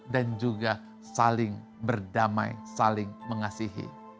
dan juga saling berdamai saling mengasihi